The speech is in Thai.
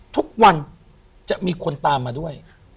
ทุกวันจะมีคนตามมาด้วย